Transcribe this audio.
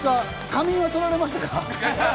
仮眠は取られましたか？